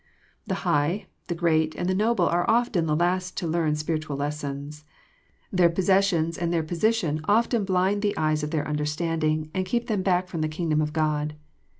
The high, the great, and the noble are often the last to learn spirit* ual lessons. Their possessions and their position often blind the eyes of their understanding, and keep them back from the kingdom of God.